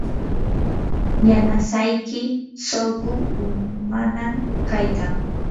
yanasayki suqu umanam kaykan.